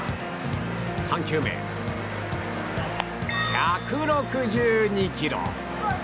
３球目、１６２キロ。